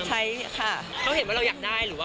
ใช้ค่ะเขาเห็นว่าเราอยากได้หรือว่า